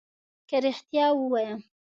که ريښتيا ووايم